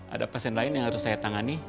ada pasien lain yang harus saya tangani